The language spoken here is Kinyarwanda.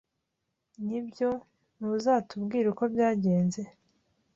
Nibyo, ntuzatubwira uko byagenze?